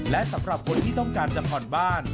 และสำหรับคนที่ต้องการจะผ่อนบ้าน